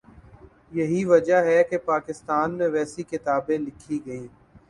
یہی وجہ ہے کہ پاکستان میں ویسی کتابیں لکھی گئیں۔